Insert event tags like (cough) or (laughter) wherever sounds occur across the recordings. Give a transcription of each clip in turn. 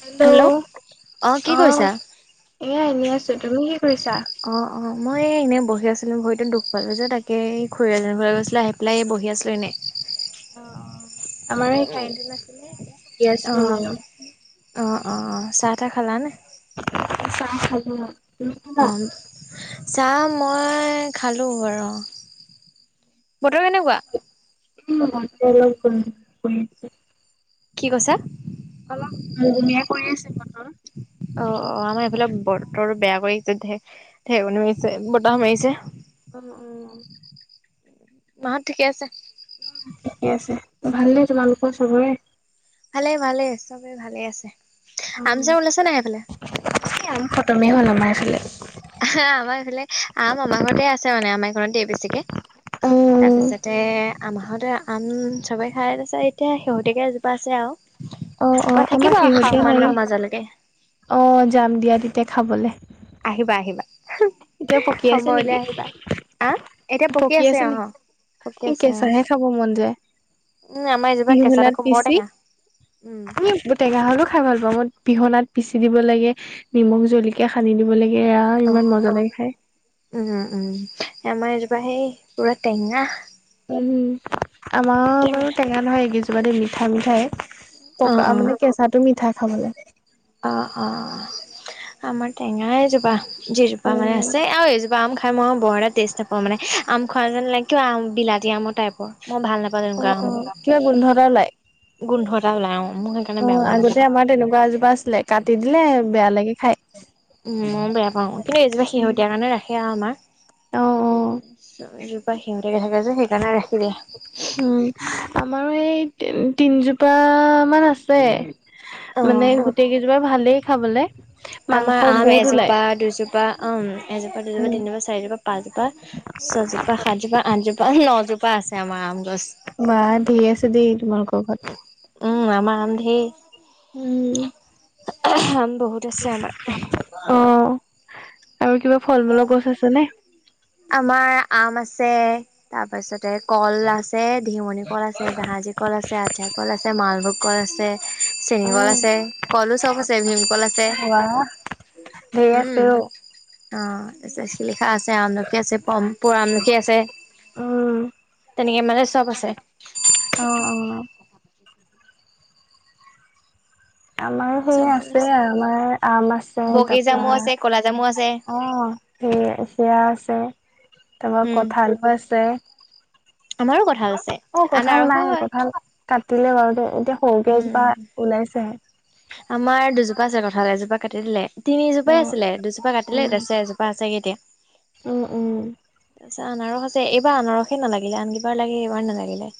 Hello কি অ কৰিছা? এয়া এনে আছো তুমি কৰিছা? অ অ মই ম এনে বহি আছিলো ভৰিতো দুখ পালো যে তাকে (unintelligible) গৈছিলো আহি পেলাই এই বহি আছিলো এনে অ অ আমাৰ এই কাৰেন্তটো অ নাছিলে এনে অ আছিলো অ মইয়ো চাহ খালা নে চাহ খলো অ তুমি খালা চাম মই খালোঁ বাৰু বতৰ কেনেকুৱা (unintelligible) কি কৈছা হা অ অ আমাৰ এইফালে বতৰো বেয়া কৰি আছে ঢেকনি মাৰিছে বতাহ মাৰিছে অ অ মাহঁত ঠিকে আছে ঠিকে আছে ভাল নে তোমালোকৰ চবৰে ভালে ভালে চবে ভালে আছে আম আচাৰ ওলাইছে নাই সেইফালে এই আম খতমেই হ'ল আমাৰ এফালে আমাৰ এইফালে আম আমাৰ ঘৰতে আছে মানে আমাৰ এইকণতে বেছিকে অ আমা ঘৰতে আম চবে খাই আছে এতিয়া শেহতীয়াকে এজোপা আছে আও অ অ আমাৰ শেহতীয়া নায়েই মাজলৈকে অ যাম দিয়া তেতিয়া খাবলে আহিবা আহিবা এতিয়া পকী আছে সময় নেকি উলিয়াই আহিবা। আহ এতিয়া পকি আছে অ পকি নেকি আছে অ কেঁচাহে খাব মন যায় উম আমাৰ এজোপা কেঁচাত পিহুনাত আকৌ বৰ পিচি টেঙা উম আমটো টেঙা হলো খাই ভাল পাওঁ মই পিহনাত পিচি দিব লাগে নিমখ জলকীয়া সানি দিব লাগে এয়া অ ইমান মজা লাগে খাই উম উ উম আমাৰ এই তাই পুৰা টেঙা উম আমাৰ বাৰু টেঙা নহয় এইকেইজোপা দি মিঠা মিঠায়ে অ পকা অ মানে কেঁচাটো মিঠা খাবলৈ অ অ আমাৰ টেঙা এইজোপা যিজোপা মানে উম আছে আৰু এইজোপা আম খাই মই বৰ এটা টেষ্ট নাপাওঁ মানে আম খোৱা যেন লাগে কিয় আম বিলাতী আমৰ টাইপৰ মই ভাল নাপাওঁ অ তেনেকুৱা আমবোৰ কিবা গোন্ধ এটা ওলাই অ গোন্ধ এটা ওলাই অ মোৰ সেইকাৰণে বেয়া পাওঁ আগতে আমজোপা আমাৰ তেনেকুৱা এজোপা আছিলে কাটি দিলে বেয়া লাগে খাই উম বেয়া পাওঁ কিন্তু এজোপা শেহতীয়া কাৰণে ৰাখে আৰু আমাৰ অ অ এইজোপা শেহতিয়াকে থাকে যে সেইকাৰণে ৰাখি দিয়ে আমাৰ এই তিনিজোপা মান আছে অ মানে গোটেই কেইজোপা ভালেই খাবলে মাংস আমাৰ আম বহুত ওলাই এজোপা দুজোপা অম এজোপা, দুজোপা, উম তিনিজোপা, চাৰিজোপা, পাঁচজোপা, ছজোপা, সাতজোপা, আঠজোপা, নজোপা আছে আমাৰ আম গছ অ ধেৰ আছে দেই ব ভাল উম আমাৰ আম ধেই আম বহুত আছে আমাৰ অ আৰু কিবা ফল মূলৰ গছ আছে নে? আমাৰ আম আছে তাৰপাছত ত কল আছে দিমণি কল আছে জাহাজী কল আছে আঠিয়া কল আছে মালভোগ কল আছে চেনী কল উম আছে কলো চব আছে ভীমকল আছে ধেই উম। আছে অ অ তই চাইছিলি। আছে আমলখি আছে প পৰ আমলখি আছে তেনেকে এ মানে চব আছে অ অ আমাৰ সেই আছে আমাৰ আম আছে তাৰপা বগীজামু আছে, ক'লা জামু আছে, অ সেই সয়া আছে তাৰপৰা উম, কঠাল আছে। আমাৰো কঁঠাল আছে, অ কঠাল আনাৰসো নাই হয়, কঠাল কাটিলে বাৰু তে এতিয়া সৰুকে উম। এজোপা ওলাইছেহে আমাৰ দুজোপা আছে কঠাল এজোপা কাটি দিলে তিনিজোপাই উম আছিলে দুজোপা কাটিলে তাৰপিছত এজোপা আছে এতিয়া। উ উ তাৰপিছত আনাৰস আছে এইবাৰ আনাৰসে নালাগিলে আন কিবাৰ লাগে এইবাৰ নালাগিলে,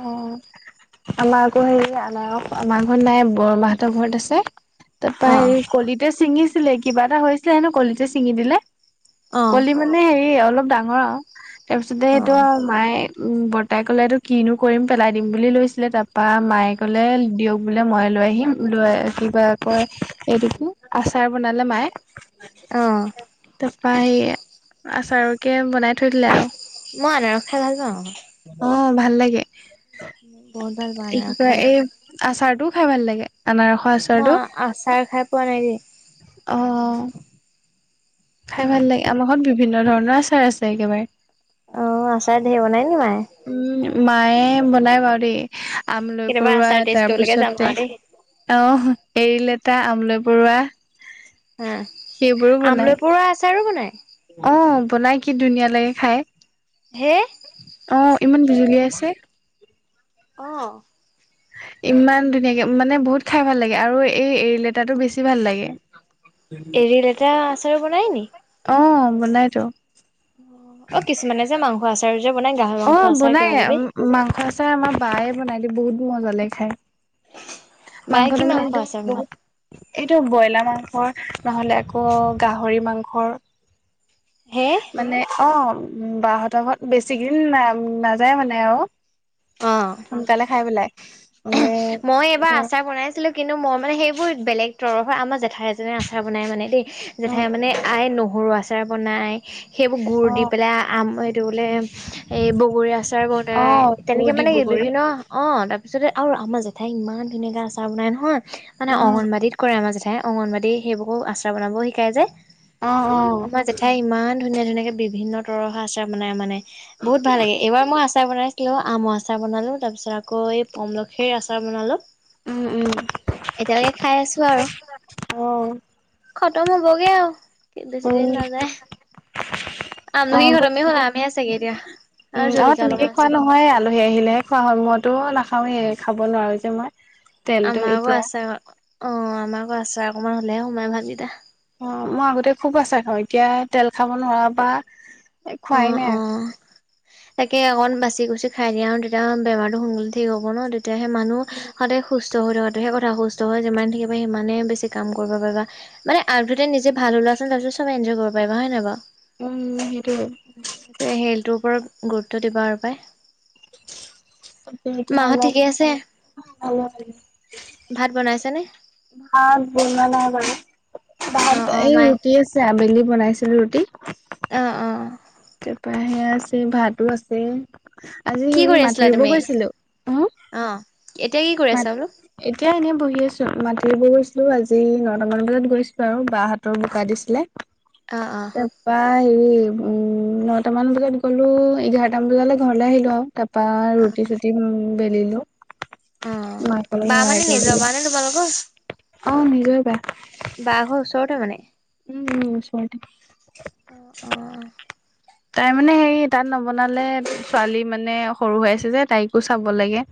অ আমাৰ আকৌ হেৰি আাৰ আমাৰ ঘৰত নাই বৰমাহঁতৰ ঘৰত আছে তাৰপা অ হেৰি কলিতে ছিঙিছিলে কিবা এটা হৈছিলে হেনো কলিতে ছিঙি দিলে, অ কলি মানে হেৰি অলপ ডাঙৰ আৰু তাৰপিছতে অ সেইটো আৰু মায়ে উম বটা কলা ৰ কিনো কৰিম পেলাই দিম বুলি লৈছিলে তাৰপা মায়ে ক'লে দিয়ক বোলে মই লৈ আহিম লৈ আহি কয় এই দুখো আছে আচাৰ বনালে মাই, অ তাৰ পৰা এ আচাৰ কে বনাই থৈ দিলে আৰু মই আনাৰস খায় ভাল পাওঁ। অ ভাল লাগে, বহুত ভাল পাওঁ কি আনাৰস কয় খাই এই আচাৰটোও খাই ভাল লাগে আনাৰসৰ ন আচাৰটো আচাৰ খাই পোৱা নাই অ দ খাই ভাল লাগে আমাৰ ঘৰত বিভিন্ন ধৰণৰ আচাৰ আছে একেবাৰে অ আচাৰ ধেৰ বনাই নি মায়ে? উম মায়ে বনাই বাৰ দেই আম লৈ কেতিয়াবা পৰুৱা আচাৰ টেষ্ট কৰিবলৈকে যাম তাৰপিছতে আৰু দেই আহ এৰী লেটা আমলৈ পৰুৱা, হা সেইবোৰো বনাই আমলৈ পৰুৱা আচাৰ ও বনাই। অ বনাই কি ধুনীয়া লাগে খাই। হে আহ ইমান বিজুলী আছে অ ইমান ধুনীয়াকে মানে বহুত খাই ভাল লাগে আৰু এই এৰী লেতাটো বেছি ভাল লাগে। এৰি লেতাৰ‌ও আচাৰ বনাই নি‌? অ বনাই টো অ কিছুমানে যে মাংস আচাৰ যে বনাই গাহৰি অ মাংস কিবা বনায় কিবি মাংস আছোই আমাৰ বায়ে বনাই দি বহুত মজালে খাই মাংস বায়ে কি তটো আচাৰ বনাই এইটো ব্ৰইলাৰ মাংস নহলে আকৌ গাহৰি মাংসৰ হে মানে অ বাহতৰ ঘৰত বেছি, না নাযায় মানে আৰু অ সোনকালে খাই পেলাই। মানে মই এবাৰ ধৰ আচাৰ বনাইছিলো কি কিন্তু মই মানে সেইবোৰ বেলেগ তৰফৰ আমাৰ জেঠাই এজনে আচাৰ বনাই মানে দেই উম জেঠাই মানে আই নহ গৰু আচাৰ বনায়। সেইবোৰ গুুৰ অ দি পেলাই আম এইটো বোলে এই বগৰী আচাৰ অ বনাই দূৰ তেনেকে মানে। নেকি ডিব্ৰুগড়ি বিভিন্ন অ ত তাৰিছতে আৰু আমাৰ জেঠাই ইমান ধুনীয়াকে আচাৰ বনাই নহয় মানে উম অংগবাদীত কৰে আমাৰ জেঠাই। অংগনবাদী সেইবোৰকো আশ্ৰাৰ বনাবও শিকাই যায়। অ অ ধুনীয়া ধুনাকে বিভিন্ন তৰৰ আছে মানে মানে বহুত ভাল লাগে এইবাৰ মই আচাৰ আচাৰ বনাইছিলো আম আচাৰ বনালো তাৰপিছত আকৌ এই পমলখিৰ আচাৰ বনালো। উম উম এতিয়ালৈকে খাই আছো আৰু। অ খতম হ'বগে আৰু উম বেছিদিন নাযায়। আম অ ন সি বৌ ঘৰমে তেনেকে হ'ল আমহে চাগে এতিয়া। উম আৰু জলকীয়া তেনেকে অলপমান খোৱা আছে নহয় আলহী আহিলেহে খোৱা হয় মইতো নাখাওৱেই খাব নোৱাৰো যে মই। তেলটো আমাৰো এতিয়া আছে অ আমাৰো আছে অকমান হলেহে সোমাই ভাট দতা। অ মই আগতে খুব আচা খাওঁ এতিয়া তেল খাব নোৱাৰা পা। এই অ খুৱাই নাই অ আৰু। তাকে অকণ বাচি গুচি খাই দিয়া আৰু তেতিয়া বেমাৰতো সোনকালে ঠিক হ'ব ন। তেতিয়াহে মানুহ সদায় সুস্থ থ সেই সুস্থ যিমান থাকিবা সিমান বেছি কাম কৰিব পাৰিবা, আগতে নিজে ভাল হৈ তাৰ পাছত সব নিজে এনজয় কৰিব পাৰা হয় নাই বাৰু। উম সেই সেইটোৰ ওপৰত গুৰুত্ব দিবা আৰু পাই। তয়া মাহঁত ঠিকে আছে অলপ ভে ভাত বনাইছে নে। ভাত বনোৱা নাই বাৰু অ ভাত অ এই মায়ে ৰুটি আছে আবেলি। বনাইছিলো ৰুটি। অ অ। তাৰপা সেয়া আছে ভাতো আছে। আজি কি হে কৰি আছিলা মাটি ৰুব তুমি গৈছিলোঁ হো। অ এতিয়া কি কৰি আছা বোলো। এনেই বহি আছো মাতি গৈছিলোঁ আজি নটামান বজাত গৈছিলোঁ আৰু বাহতৰ বোকা দিছিলে। অ অ তাপা আহি। উম নটামান বজাত গ'লো এঘাৰটামান বজালৈ ঘৰলে আহিলোঁ আৰু তা। তপা অ ৰুটি চৰুটি বেলিলো অ মাকঅলপ বা সহায় মানে নিজৰ বা কৰিলোঁ। নে তোমালোকৰ অ নিজৰ বা। বা ঘৰ ওচৰতে মানে উম ওচৰতে। অঁ অঁ তাই মানে হেৰি তাত নবনালে ছোৱালী মানে সৰু হৈ আছে যে তাইকো চাব লাগে।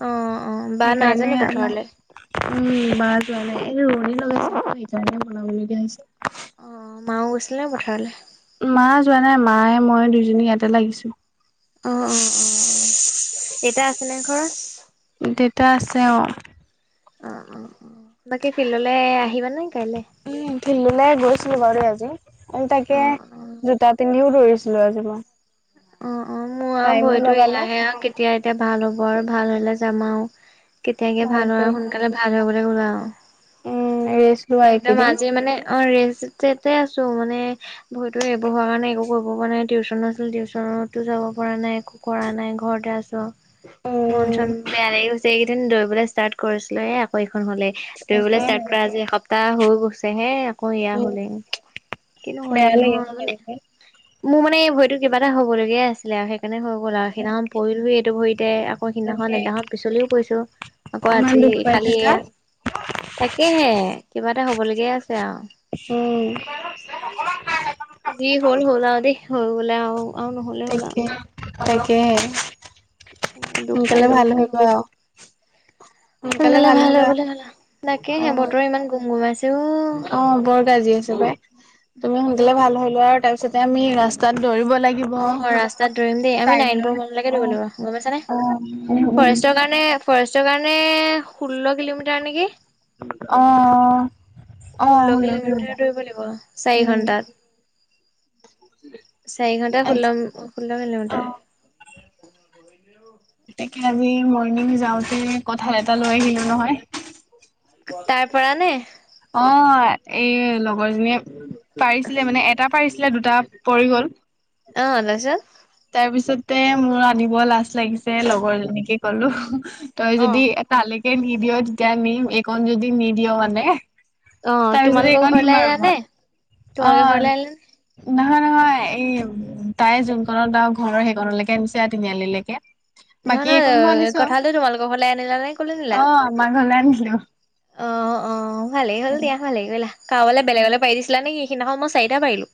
অ। অ বা সেইকাৰণে নাইজানি পথাৰলৈ আমাৰ উম। মাহ যোৱা নাই এনে ৰণী লগাইছে সেইণে বনাবল দিয়া হৈছে। অ মাও গৈছিল নে পথাৰলে। মা যোৱা নাই মায়ে মই দুইজনী ইয়াতে লাগিছো। অ অ অ দেউতা আছেনে ঘৰত। দেউতা আছে অ অ অ বাকী ফিল্ডলৈ আহিবা নাই কাইলে। ছিলো বাৰু দেই আজি তাকে অ জোতা পিন্ধিও ধৰিছিলো আজি মই। অ অ মোৰ আৰু টাইমো ভৰিতো লগালো এয়াহে আৰু কেতিয়া এতিয়া ভাল হ'ব আৰু ভাল হলে যাম আৰু। কেতিয়াকে ভাল হয় ভালকৈ। আৰু সোনকালে ভাল হয় বুলি ক'ল উম ৰেষ্ট লোৱা আৰু। একদম এইকেইদিন আজি মানে অ ৰেজ। টেটে আছো মানে ভৰিতো এইবোৰ হোৱাৰ কাৰণে একো কৰিব পৰা নাই টিউচন ন আছিল টিউচন গা‍ঁৱতো যাব পৰা নাই। একো কৰা নাই। ঘৰতে আছোঁ। উম মন-চন বেয়া লাগি গৈ ছে। এইকেইদিন দৌৰিবলৈ ষ্টাৰ্ত কৰিছিলোঁহে আকৌ হ'লে। তাকে দৌৰিবলৈ ষ্টাৰ্ত কৰা আজি এসপ্তাহ হৈ গৈছে হে। আকৌ এয়া হ'লেই। কিনো হৈ বেয়া থাকে লাগে নহয়, মানে- তেনেকে মোৰ মানে এই ভৰিটো কিবা এটা হব লগীয়াই আছিলে আৰু। সেইকাৰণে হ 'ল আৰু। সিদিনাখন পৰিলোৱেই এইটো ভৰিতে। আকৌ সিদিনাখন- এদিনাখন পিছলিও পৰিছোঁ। আকৌ ইমান আজি দুখ পাই কালি এয়া থাকা। তাকেহে কিবা এটা হবলগীয়া আছে আৰু। উম যি হ'ল হ'ল আৰু দেই। হৈ গ'লে আৰু। আৰু নহ'লে হ'ল আৰু। তাকেহে। এনেকে দুখ পাই সোনকালে হ'লে ভাল কি হ'ব আও। সোনকালে ভাল হৈ গলে হ'ল আও। অ তাকেহে, বতৰ ইমান গুম গুমাইছ অ' বৰ গাজি আছে পাই। তুমি সোনকালে ভাল হৈ লোৱা আৰু তাৰ পিছতে আমি ৰাস্তাত দৌৰিব লাগিব অ' ৰাস্তাত দৌৰিম দেই? আমি টাইম নাইন লৈ পুৰ মানলৈকে অ দৌৰিব লাগিব, গম পাইছা নে? অ উম উম ফৰেষ্টৰ কাৰণে ণে ফৰেষ্টৰ কাৰণে ষোল্ল কিলোমিটাৰ নেকি? অ অ ষোল্ল হুলস্থুল কিলোমিটাৰ দৌৰিব লাগিব, চাৰি উম ঘন্টাত। চাৰি ঘন্টা ষোল্ল- ষোল্ল অ কিলোমিটাৰ। তাকে আজি মৰ্ণিং যাওঁতে কঁঠাল এটা লৈ আহিলোঁ, নহয়? তাৰ পৰা নে? অ' এই লগৰজনীয়ে পাৰিছিলে মানে। এটা পাৰিছিল, দুটা পৰি গ'ল। অ' তাৰপিছত? তে মোৰ আনিব লাজ লাগিছে। লগৰজনীকে ক'লো, তই অ যদি এ তালে কে নিদিয় তেতিয়া নিম, এইকণ যদি নিদিয় মানে অ' তাৰ পিছতে তোমালোকৰ এইকণ নিম ঘৰলে আৰু মই আনে? অ তোমালোকৰ ঘৰলে আনিলানে? নহয় - নহয়। এই তাই যোনখনত আও ঘৰৰ সেইকণলৈকে আনিছে, তিনিআলি লেকে। নহয় - নহয়, কঠালটো তোমালোকৰ ঘৰলে আনিলা নে কলৈ নিলে? অ আমাৰ ঘৰলে আনিলো অ' - অ', ভালেই হ'ল দিয়া। ভালেই কৰিলা। কাৰোবালে বেলেগলৈ পাৰি দিছিলা নেকি? সিদিনাখন মই চাৰিটা পাৰিলোঁ।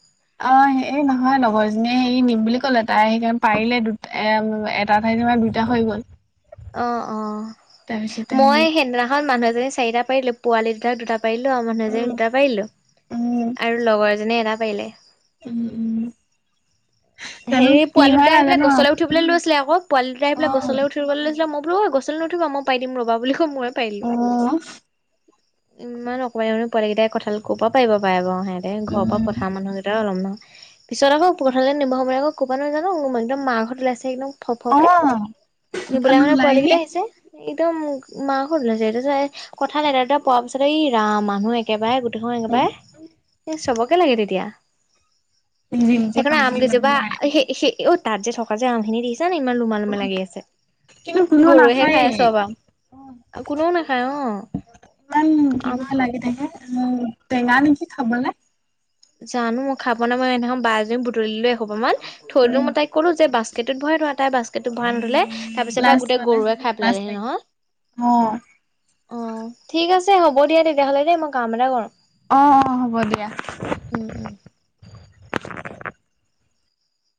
অ', সেই নহয়। লগৰ এজনীয়ে হেৰি নিম বুলি ক'লে। তাই সেইকাৰণ পাৰিলে দুটা এ- এটা ঠাইত (unintelligible) দুটা হৈ গ'ল। অ' - অ'। তাৰপিছতে হেৰি মই সেইদিনাখন মানুহ এজনী চাৰিটা পাৰিলোঁ। পোৱালি দুটাক দুটা পাৰিলোঁ আৰু উম মানুহজনীক দুটা পাৰিলো‍ঁ। উম আৰু লগৰ এজনীয়ে এটা পাৰিলে। উম - উম। জানো হেৰি কি পোৱালি হয় দুটাই আহি পেলাই নাজানো আৰু গছলৈ উঠিবলৈ লৈছিল আকৌ। পোৱালি দুটাই আহি অ', পেলাই গছলৈ উঠিবলৈ লৈছিলে। মই বোলো ৰ', গছলৈ নুঠিবা। মই পাৰি দিম, ৰ'বা বুলি কৈ ময়ে অ', পাৰিলোঁ। উম, ইমান অকনমানি মানে পোৱালী কেইটাই কঠাল ক'ব পাৰিব পাৰে বাৰু হে? ঘৰৰ পৰা পথাৰ মানুহ কেইটা ওলম না? পিছত আকৌ পথাৰলে নিব মই আকৌ ক'ৰপা নেজানো, মোৰ ম- একদম আ মাৰ ঘৰত ওলাইছে ফৌ-ফৌকে। অ', নিবলে দোকানো আমাৰ পোৱালি ওলাইহে কেইটা আহিছে। একদম মাহত ওলাইছে। সেইটোটোৱে কথা নাই ৰে এটা পোৱাৰ পিছত এই ৰাম, মানুহ একেবাৰে গোট হৈ একেবাই, এই লাগে তেতিয়া। জিম যে পাই যায় ন বা সে- সে অ' তাত যে থকা যে আমখিনি দেখি জান ইমান লোমা-লোমে লাগি আছে। কিন্তু কোনেও গৰুৱেহে খায় নাখায়েই। চব আও। কোনেও নাখায় অ'। আম অ' টেঙা নেকি খাবনে? জানোঁ, মই খাই পোৱা নাই। মই সেইদিনা বা এজনীয়ে বুটলিলে এসোপামান থৈ দিলোঁ। উম। মই তাই ক'লো যে বাস্কেটত ভৰাই থোৱা। তাই বাস্কেটোত ভৰাই নথলে তাৰ পিছত পুৰা লাজ গোটেই পালে গৰুৱে খাই লাজ পেলালেহি লাগিল নহয়। অ', ‌ অ' ঠিক আছ ছে হ'ব দিয়া, তেতিয়াহ'লে দেই। মই কাম এটা কৰোঁ। অ' - অ', হ'ব দিয়া। উম উম উম।